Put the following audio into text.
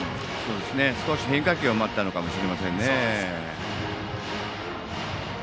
少し変化球を待ってたのかもしれませんね。